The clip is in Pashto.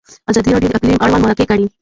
ازادي راډیو د اقلیم اړوند مرکې کړي.